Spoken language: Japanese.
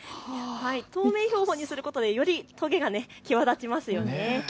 透明標本にすることでよりトゲが際立ちますよね。